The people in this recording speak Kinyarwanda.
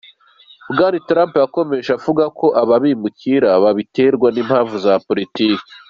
Bwana Trump yanakomeje kuvuga ko aba bimukira baterwa n'impamvu za politiki.